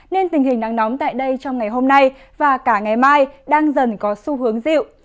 nên tình hình nắng nóng tại đây trong ngày hôm nay và cả ngày mai đang dần có xu hướng dịu